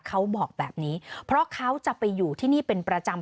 เขาบอกแบบนี้เพราะเขาจะไปอยู่ที่นี่เป็นประจำ